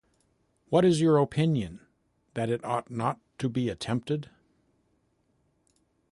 What is your own opinion? That it ought not to be attempted.